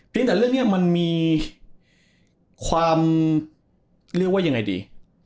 แต่เรื่องนี้มันมีความเรียกว่ายังไงดี